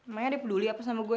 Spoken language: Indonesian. makanya dia peduli apa sama gue